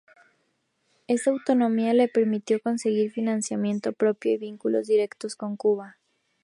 Esta autonomía le permitió conseguir financiamiento propio y vínculos directos con Cuba.